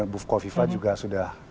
bukovifah juga sudah